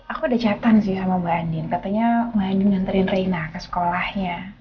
aku udah catan sih sama mbak andien katanya mbak andien nganterin reina ke sekolahnya